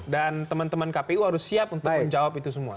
dan teman teman kpu harus siap untuk menjawab itu semua